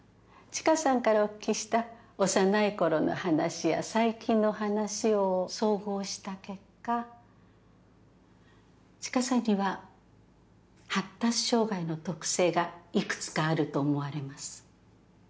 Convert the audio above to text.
知花さんからお聞きした幼いころの話や最近の話を総合した結果知花さんには発達障害の特性が幾つかあると思われます。